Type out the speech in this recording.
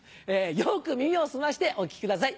よく耳を澄ましてお聞きください